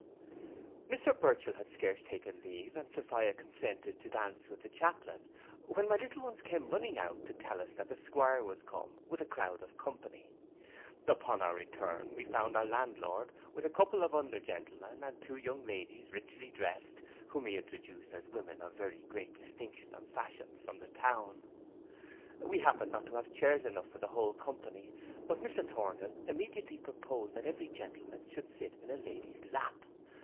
Mr Burchell had scarce taken leave, and Sophia consented to dance with the chaplain, when my little ones came running out to tell us that the 'Squire was come, with a crowd of company. Upon our return, we found our landlord, with a couple of under gentlemen and two young ladies richly drest, whom he introduced as women of very great distinction and fashion from town. We happened not to have chairs enough for the whole company; but Mr Thornhill immediately proposed that every gentleman should sit in a lady's lap.